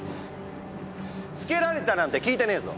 つけられたなんて聞いてねぇぞ。